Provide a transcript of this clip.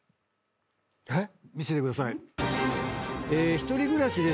えっ⁉見せてください。